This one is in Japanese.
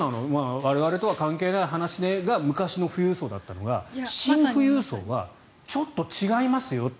我々とは関係ない話ねが昔の富裕層だったのがシン富裕層はちょっと違いますよっていう。